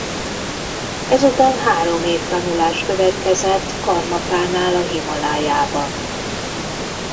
Ezután három év tanulás következett Karmapánál a Himalájában.